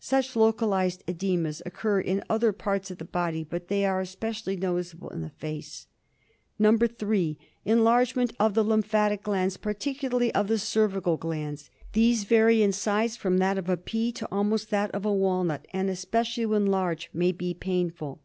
Such localised oedemas occur in other parts of the body, but they are specially noticeable in the face. 3. Enlargement of the lymphatic glands, particularly of the cervical glands. These vary in size from that of a pea to almost that of a walnut, and, especially when large, may be painful.